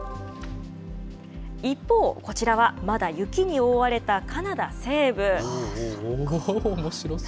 一方、こちらはまだ雪に覆われたおもしろそう。